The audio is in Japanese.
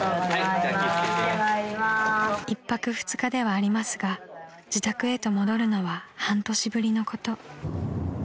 ［１泊２日ではありますが自宅へと戻るのは半年ぶりのこと］